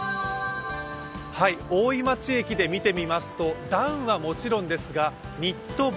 大井町駅で見てみますと、ダウンはもちろんですが、ニット帽